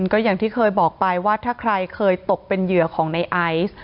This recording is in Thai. ก็อย่างที่เคยบอกไปว่าถ้าใครเคยตกเป็นเหยื่อของในไอซ์